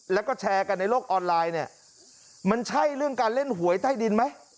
แล้วก็แชร์กันในโลกออนไลน์เนี่ยมันใช่เรื่องการเล่นหวยใต้ดินไหม